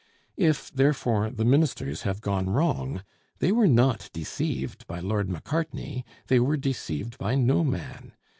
If therefore the ministers have gone wrong, they were not deceived by Lord Macartney: they were deceived by no man.